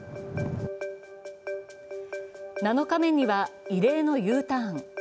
７日目には異例のＵターン。